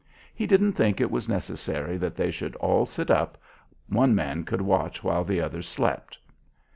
He didn't think it was necessary that they should all sit up. One man could watch while the others slept.